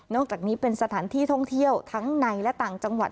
อกจากนี้เป็นสถานที่ท่องเที่ยวทั้งในและต่างจังหวัด